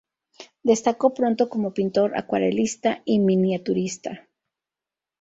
Destacó pronto como pintor, acuarelista y miniaturista.